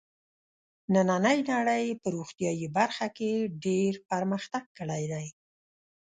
نننۍ نړۍ په روغتیايي برخه کې ډېر پرمختګ کړی دی.